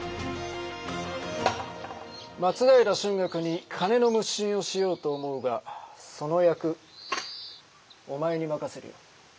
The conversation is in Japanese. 松平春嶽に金の無心をしようと思うがその役お前に任せるよ。